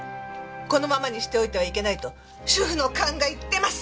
このままにしておいてはいけないと主婦の勘が言ってます！